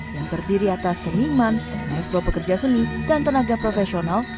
yang terdiri atas seniman maestro pekerja seni dan tenaga profesional